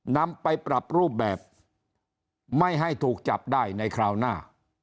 นำไปปรับรูปแบบไม่ให้ถูกจับได้ในคราวหน้า